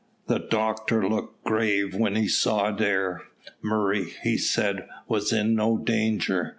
The doctor looked grave when he saw Adair. Murray, he said, was in no danger.